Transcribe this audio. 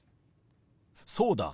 そうだ。